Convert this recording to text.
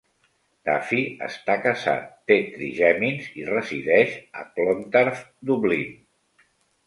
Duffy està casat, té trigèmins i resideix a Clontarf, Dublín.